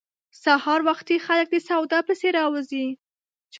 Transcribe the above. سهار وختي خلک د سودا پسې راوزي.